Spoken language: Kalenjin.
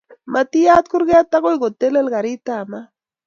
Matiyat kurget agoi kotelel garitap mat